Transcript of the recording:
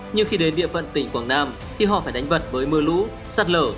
nhưng khi đến địa phận tỉnh quảng nam thì họ phải đánh vật bởi mưa lũ sắt lở